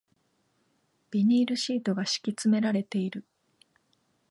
ビニールシートが敷き詰められている